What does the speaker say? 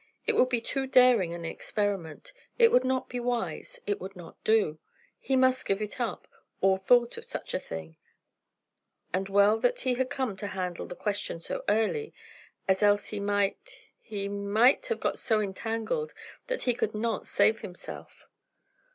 It would be too daring an experiment; it would not be wise; it would not do; he must give it up, all thought of such a thing; and well that he had come to handle the question so early, as else he might he might have got so entangled that he could not save himself.